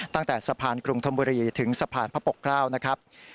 ตั้งแต่สะพานกรุงธมบุรีถึงสะพานพระปกเกล้านะครับ